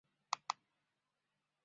唐朝武德四年复置。